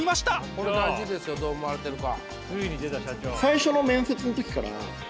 これ大事ですよどう思われてるか。